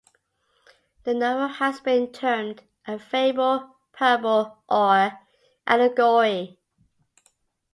The novel has been termed a fable, parable or allegory.